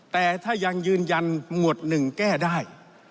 แต่ถ้ายังยืนยันหมวดหนึ่งแก้ได้